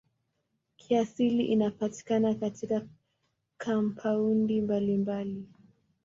Kiasili inapatikana katika kampaundi mbalimbali.